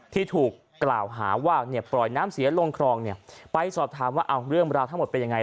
ที่ถูกกล่าวหาว่าเนี่ยปล่อยน้ำเสียลงครองเนี่ยไปสอบถามว่าเอาเรื่องราวทั้งหมดเป็นยังไง